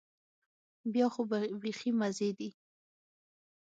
بیا خو بيخي مزې دي.